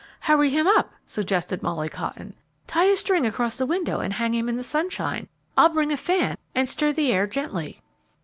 "Hurry him up!" suggested Molly Cotton. "Tie a string across the window and hang him in the sunshine. I'll bring a fan, and stir the air gently."